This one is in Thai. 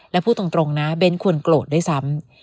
และพูดตรงนะเบ้นควรโกรธด้วยซ้ำ